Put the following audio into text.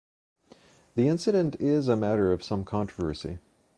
The incident is a matter of some controversy.